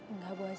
enggak bu haja